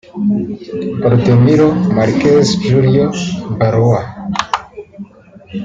Oldemiro Marques Júlio Baloi